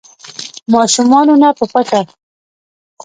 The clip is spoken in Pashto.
ماشومانو نه په پټه